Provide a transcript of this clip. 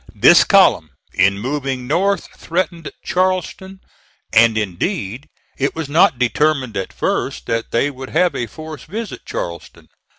This column, in moving north, threatened Charleston, and, indeed, it was not determined at first that they would have a force visit Charleston.